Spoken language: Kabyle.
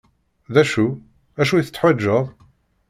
D acu? acu i teḥwaǧeḍ?